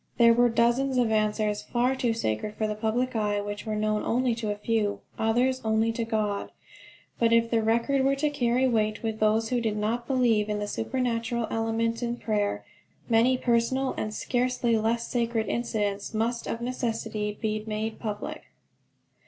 There were dozens of answers far too sacred for the public eye, which were known only to a few, others known only to God. But if the record were to carry weight with those who did not believe in the supernatural element in prayer, many personal and scarcely less sacred incidents must of necessity be made public.